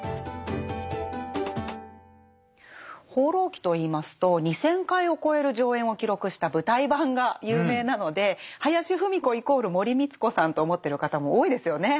「放浪記」といいますと２０００回を超える上演を記録した舞台版が有名なので林芙美子イコール森光子さんと思ってる方も多いですよね。